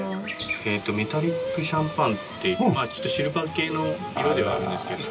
メタリックシャンパンってまあちょっとシルバー系の色ではあるんですけど。